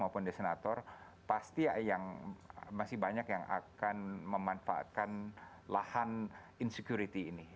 pasti masih banyak yang akan memanfaatkan lahan insecurity ini